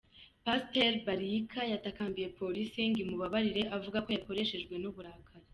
Pasiteri Baliika yatakambiye polisi ngo imubabarire avuga ko yabikoreshejwe n’uburakari.